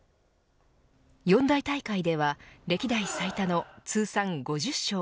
四大大会では歴代最多の通算５０勝。